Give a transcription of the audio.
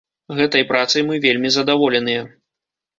Гэтай працай мы вельмі задаволеныя.